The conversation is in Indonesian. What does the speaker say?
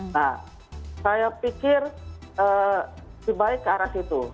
nah saya pikir sebaik ke arah situ